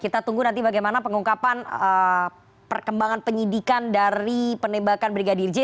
kita tunggu nanti bagaimana pengungkapan perkembangan penyidikan di indonesia